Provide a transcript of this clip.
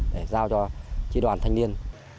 để giao cho tri đoàn thanh niên